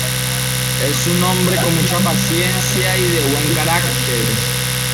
Es un hombre con mucha paciencia y de buen carácter.